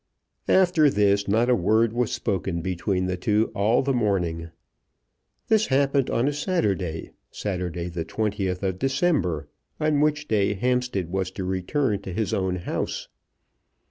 After this not a word was spoken between the two all the morning. This happened on a Saturday, Saturday, the 20th of December, on which day Hampstead was to return to his own house.